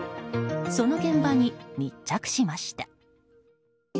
その現場に密着しました。